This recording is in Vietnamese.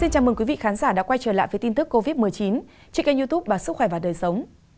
chào mừng quý vị khán giả đã quay trở lại với tin tức covid một mươi chín trên kênh youtube sức khỏe và đời sống